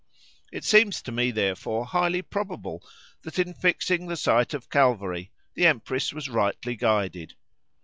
It seems to me, therefore, highly probable that in fixing the site of Calvary the Empress was rightly guided.